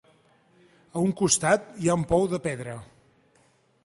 A un costat hi ha un pou de pedra.